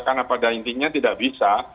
karena pada intinya tidak bisa